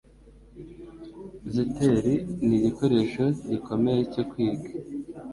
Zither nigikoresho gikomeye cyo kwiga?